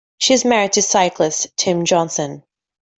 She is married to cyclist Tim Johnson.